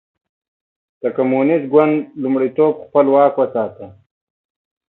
د کمونېست ګوند لومړیتوب خپل واک وساتي.